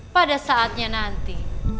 pada saatnya nanti